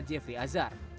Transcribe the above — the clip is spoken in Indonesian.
yang bernama jeffrey azar